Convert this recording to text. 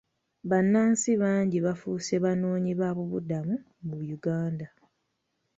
Bannansi bangi bafuuse banoonyiboobubudamu mu Uganda.